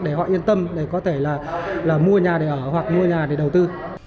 để họ yên tâm để có thể là mua nhà để ở hoặc mua nhà để đầu tư